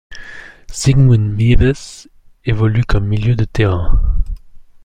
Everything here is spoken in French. Siegmund Mewes évolue comme milieu de terrain.